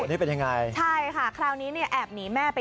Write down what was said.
อ๋อทำอะไรนี่ตัวนั้นว่ะ